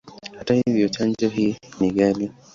Hata hivyo, chanjo hii ni ghali.